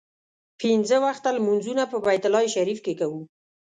پنځه وخته لمونځونه په بیت الله شریف کې کوو.